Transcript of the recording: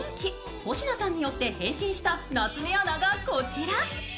保科さんによって変身した夏目アナがこちら。